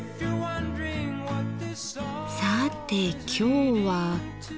さて今日は。